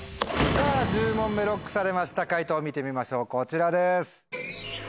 さぁ１０問目ＬＯＣＫされました解答見てみましょうこちらです。